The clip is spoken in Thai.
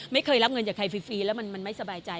ไม่เคยรับเงินจากใครฟรีแล้วมันไม่สบายใจ